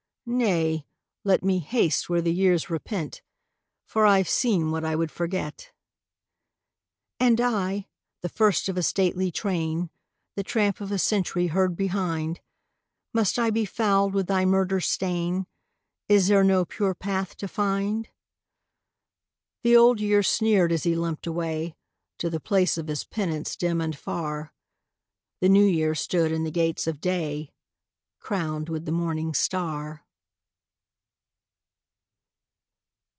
" Nay, let me haste where the years repent, For I ve seen what I would forget." " And I, the first of a stately train, The tramp of a century heard behind, Must I be fouled with thy murder stain? Is there no pure path to find? " The Old Year sneered as he limped away To the place of his penance dim and far. The New Year stood in the gates of day, Crowned with the morning star.